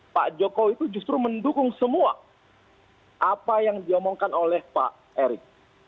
pak jokowi itu justru mendukung semua apa yang diomongkan oleh pak erick